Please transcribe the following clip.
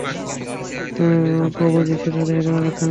প্রভু যিশু তাকে একবার থামিয়েছিলেন!